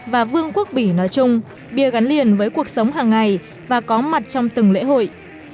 và vương quốc bỉ nói chung bia gắn liền với cuộc sống hàng ngày và có mặt trong từng lễ hội